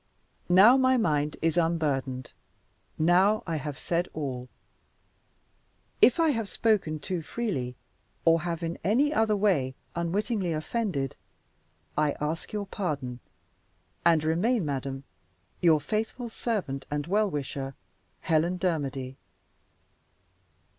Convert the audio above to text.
"Now my mind is unburdened. Now I have said all. "If I have spoken too freely, or have in any other way unwittingly offended, I ask your pardon, and remain, madam, your faithful servant and well wisher, HELEN DERMODY."